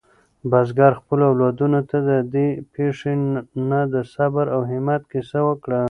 بزګر خپلو اولادونو ته د دې پېښې نه د صبر او همت کیسه وکړه.